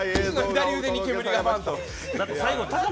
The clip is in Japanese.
左腕に煙がバンと。